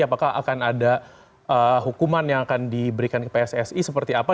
apakah akan ada hukuman yang akan diberikan ke pssi seperti apa